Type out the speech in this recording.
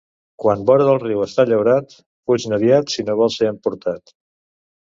Quan vora del riu està llaurat, fuig-ne aviat si no vols ser emportat.